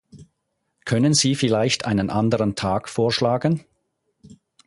Können Sie vielleicht einen anderen Tag vorschlagen?